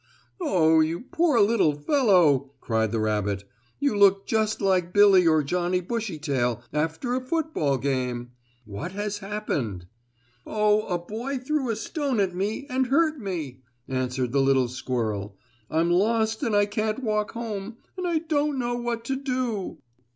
"Oh, you poor little fellow!" cried the rabbit. "You look just like Billie or Johnny Bushytail after a football game. What has happened?" "Oh, a boy threw a stone at me, and hurt me!" answered the little squirrel. "I'm lost and I can't walk home, and I don't know what to do."